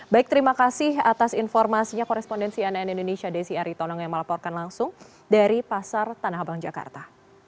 baik terima kasih atas informasinya korespondensi ann indonesia desi aritonang yang melaporkan langsung dari pasar tanah abang jakarta